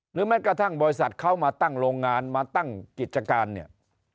แม้กระทั่งบริษัทเขามาตั้งโรงงานมาตั้งกิจการเนี่ย